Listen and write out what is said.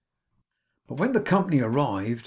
But when the company arrived!